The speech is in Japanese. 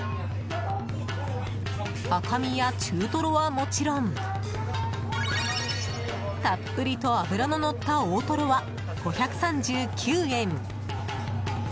赤身や中トロはもちろんたっぷりと脂ののった大トロは、５３９円。